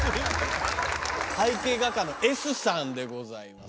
背景画家のＳさんでございます。